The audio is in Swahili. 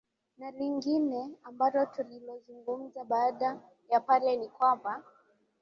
na lingine ambalo tulilozungumza baada ya pale ni kwamba